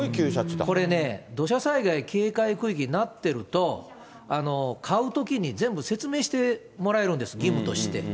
これね、土砂災害警戒区域になってると、買うときに、全部説明してもらえるんです、義務として。